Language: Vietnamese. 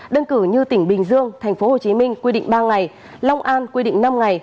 đơn cử như tỉnh bình dương tp hcm quy định ba ngày long an quy định năm ngày